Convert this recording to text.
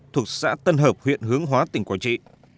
thuộc xã tân hợp huyện hướng hóa tỉnh quảng trị